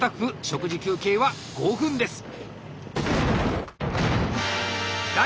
食事休憩は５分です。